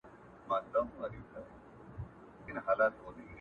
څوك به ګوري پر رحمان باندي فالونه!!